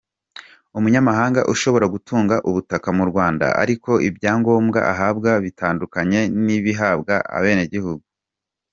Umunyamahanga ushobora gutunga ubutaka mu Rwanda, ariko ibyangombwa ahabwa bitandukanye n’ibihabwa abenegihugu.